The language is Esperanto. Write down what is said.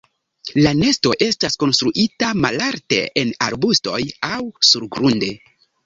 La nesto estas konstruita malalte en arbustoj aŭ surgrunde.